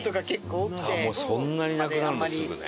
もうそんなになくなるんだすぐね。